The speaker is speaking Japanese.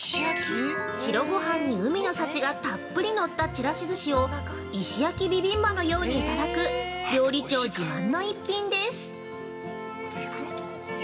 ◆白ごはんに海の幸がたっぷり載ったちらしずしを石焼きビビンバのようにいただく料理長自慢の逸品です！